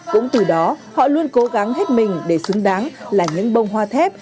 cũng từ đó họ luôn cố gắng hết mình để xứng đáng là những bông hoa thép